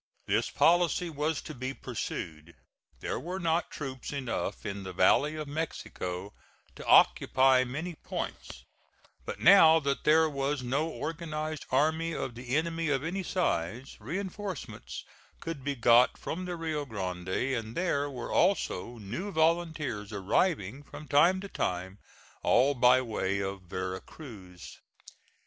This policy was to be pursued. There were not troops enough in the valley of Mexico to occupy many points, but now that there was no organized army of the enemy of any size, reinforcements could be got from the Rio Grande, and there were also new volunteers arriving from time to time, all by way of Vera Cruz.